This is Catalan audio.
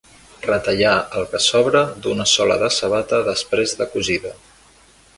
Retallar el que sobra d'una sola de sabata després de cosida.